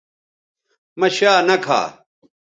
مہ شا نہ کھا